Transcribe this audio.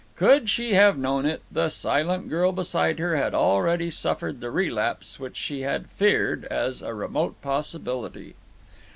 Could she have known it, the silent girl beside her had already suffered the relapse which she had feared as a remote possibility.